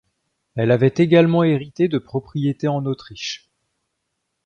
Elle avait également hérité de propriété en Autriche.